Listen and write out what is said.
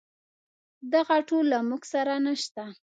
دغه ټول له موږ سره نشته.